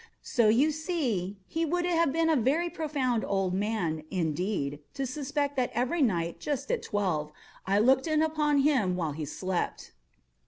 So you see he would have been a very profound old man, indeed, to suspect that every night, just at twelve, I looked in upon him while he slept.